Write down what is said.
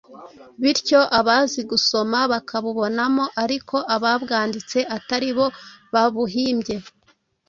bityo abazi gusoma bakabubonamo ariko ababwanditse atari bo babuhimbye.